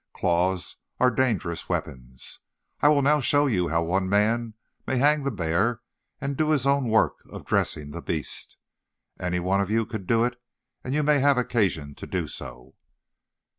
Claws are dangerous weapons. I will now show you how one man may hang the bear and do his own work of dressing the beast. Any one of you could do it, and you may have occasion to do so."